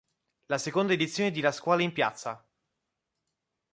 La seconda edizione di "La Scuola in Piazza!